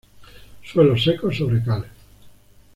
Suelos secos sobre cal.